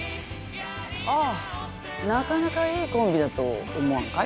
ああなかなかいいコンビだと思わんかい？